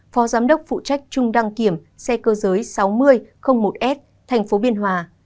phó giám đốc phụ trách trung đăng kiểm xe cơ giới sáu nghìn một s tp biên hòa